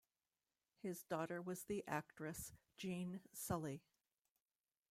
His daughter was the actress Jeanne Sully.